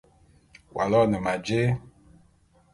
W'aloene ma jé?